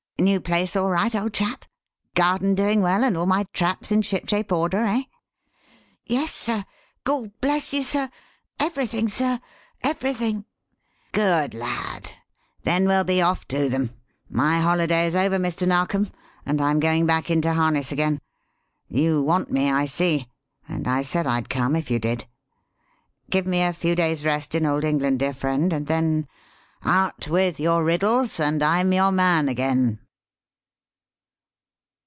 "New place all right, old chap? Garden doing well, and all my traps in shipshape order, eh?" "Yes, sir, Gawd bless you, sir. Everything, sir, everything." "Good lad! Then we'll be off to them. My holiday is over, Mr. Narkom, and I'm going back into harness again. You want me, I see, and I said I'd come if you did. Give me a few days' rest in old England, dear friend, and then out with your riddles and I'm your man again."